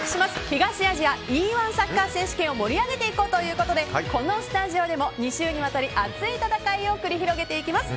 東アジアＥ‐１選手権を盛り上げていこうということでこのスタジオでも２週にわたり熱い戦いを繰り広げていきます。